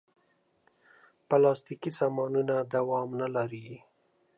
پلاستيکي سامانونه دوام نه لري.